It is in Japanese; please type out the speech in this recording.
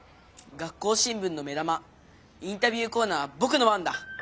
学校新聞の目玉インタビューコーナーはぼくの番だ！